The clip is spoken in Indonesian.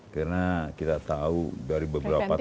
karena kita tahu dari beberapa tahun